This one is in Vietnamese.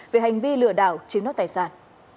về hành vi lừa đảo chiếm nốt tài sản